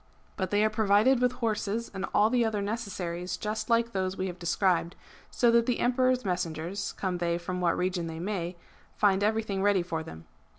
But they are provided with horses and all the other necessaries just like those we have described, so that the Emperor's messengers, come they from what region they may, find everything ready for them.